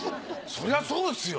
そりゃそうですよ。